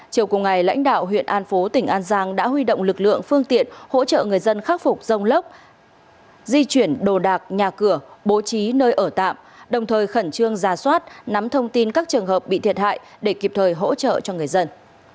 chiều cùng ngày lãnh đạo huyện an phố tỉnh an giang đã huy động lực lượng phương tiện hỗ trợ người dân khắc phục rông lốc di chuyển đồ đạc nhà cửa bố trí nơi ở tạm đồng thời khẩn trương ra soát nắm thông tin các trường hợp bị thiệt hại để kịp thời hỗ trợ cho người dân